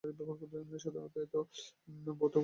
সাধারণত এতে কোনো ভৌত কণা থাকে না।